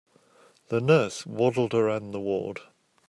The nurse waddled around the ward.